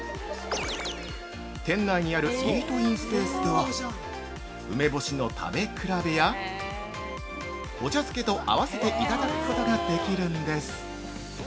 店内にあるイートインスペースでは梅干しの食べ比べやお茶漬けと合わせていただくことができるんです。